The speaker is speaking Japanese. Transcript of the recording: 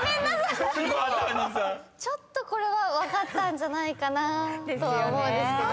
ちょっとこれは分かったんじゃないかなとは思うんですけど。